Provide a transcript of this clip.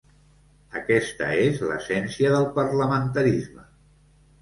Aquesta és l’essència del parlamentarisme.